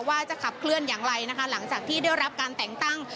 ว่าจะขับเคลื่อนอย่างไรนะคะหลังจากที่ได้รับการแต่งตั้ง